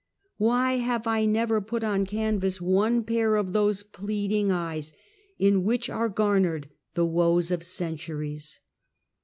Why have I never put on canvas one pair of those pleading eyes, in which are garnered the woes of centuries?